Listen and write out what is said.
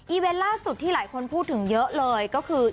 เวนต์ล่าสุดที่หลายคนพูดถึงเยอะเลยก็คือ